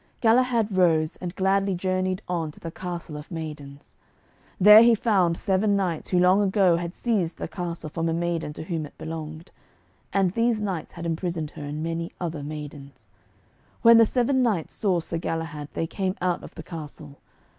Galahad rose, and gladly journeyed on to the Castle of Maidens. There he found seven knights, who long ago had seized the castle from a maiden to whom it belonged. And these knights had imprisoned her and many other maidens. When the seven knights saw Sir Galahad they came out of the castle.